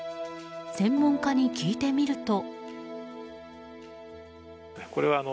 専門家に聞いてみると。